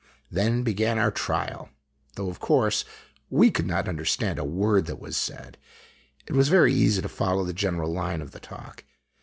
Then began our trial. Though, of course, we could not under stand a word that was said, it was very easy to follow the general line of the talk.